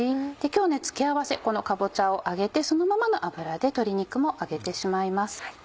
今日付け合わせこのかぼちゃを揚げてそのままの油で鶏肉も揚げてしまいます。